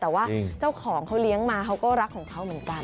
แต่ว่าเจ้าของเขาเลี้ยงมาเขาก็รักของเขาเหมือนกัน